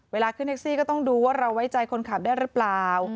เวลาขึ้นแท็กซี่ก็ต้องดูว่าเราไว้ใจคนขับได้หรือเปล่า